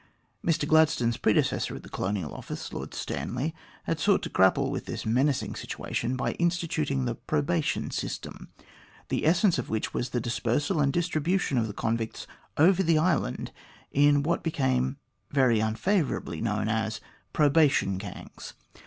Mr Gladstone's predecessor at the Colonial Office, Lord Stanley, had sought to grapple with this menacing situation by instituting the probation system, the essence of which was the dispersal and distribution of the convicts over the island in what came to be very unfavourably known as " probation gangs."